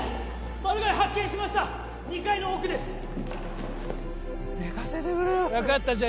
マルガイ発見しました２階の奥です寝かせてくれよ分かったじゃ